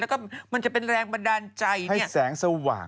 แล้วก็มันจะเป็นแรงบันดาลใจให้แสงสว่าง